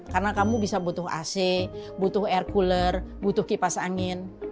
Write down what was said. karena kamu bisa butuh ac butuh air cooler butuh kipas angin